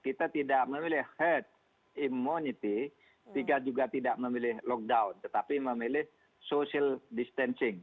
kita tidak memilih herd immunity kita juga tidak memilih lockdown tetapi memilih social distancing